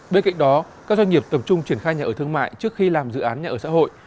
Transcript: bên cạnh đó các doanh nghiệp tập trung triển khai nhà ở thương mại trước khi làm dự án nhà ở xã hội